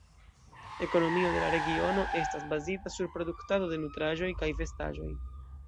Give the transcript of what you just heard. Ekonomio de la regiono estas bazita sur produktado de nutraĵoj kaj vestaĵoj.